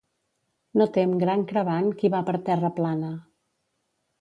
No tem gran crebant qui va per terra plana.